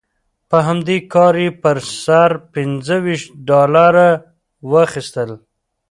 په همدې کار یې پر سر پنځه ویشت ډالره واخیستل.